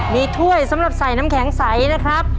มีถ้วยสำหรับใส่น้ำแข็งใสนะครับ